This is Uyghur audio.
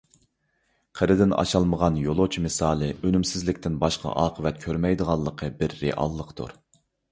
«قىردىن ئاشالمىغان يولۇچى» مىسالى ئۈنۈمسىزلىكتىن باشقا ئاقىۋەت كۆرمەيدىغانلىقى بىر رېئاللىقتۇر.